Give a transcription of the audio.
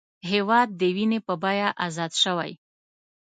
هېواد د وینې په بیه ازاد شوی